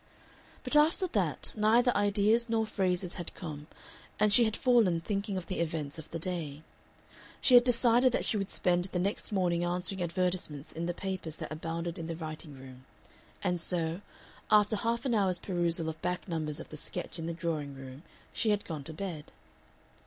But after that neither ideas nor phrases had come and she had fallen thinking of the events of the day. She had decided that she would spend the next morning answering advertisements in the papers that abounded in the writing room; and so, after half an hour's perusal of back numbers of the Sketch in the drawing room, she had gone to bed.